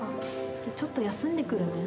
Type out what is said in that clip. ちょっと休んでくるね。